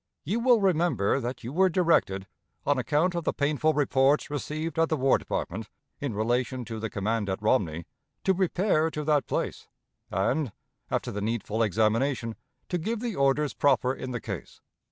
You will remember that you were directed, on account of the painful reports received at the War Department in relation to the command at Romney, to repair to that place, and, after the needful examination, to give the orders proper in the case.